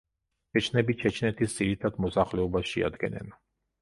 ჩეჩნები ჩეჩნეთის ძირითად მოსახლეობას შეადგენენ.